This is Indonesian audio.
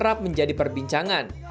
kerap menjadi perbincangan